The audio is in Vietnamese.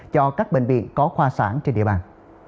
cho các bệnh viện có khoa sản trên địa bàn